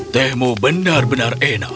tehmu benar benar enak